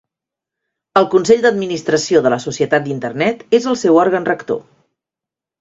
El Consell d'Administració de la Societat d'Internet és el seu òrgan rector.